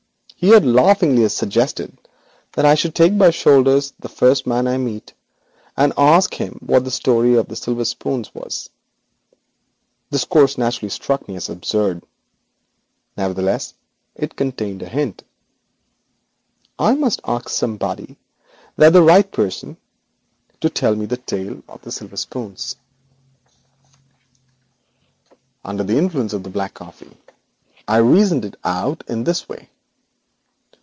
He had laughingly suggested that I should take by the shoulders the first man I met, and ask him what the story of the silver spoons was. This course naturally struck me as absurd, and he doubtless intended it to seem absurd. Nevertheless, it contained a hint. I must ask somebody, and that the right person, to tell me the tale of the silver spoons. Under the influence of the black coffee I reasoned it out in this way.